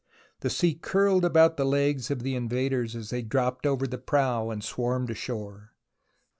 The sea curled about the legs of the invaders as they dropped over the prow and swarmed ashore.